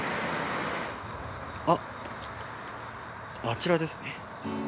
あっあちらですね。